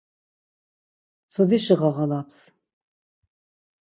Mtsudişi ğağalaps.